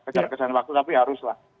kejar kejaran waktu tapi haruslah